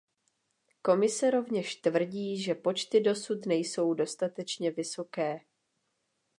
Komise rovněž tvrdí, že počty dosud nejsou dostatečně vysoké.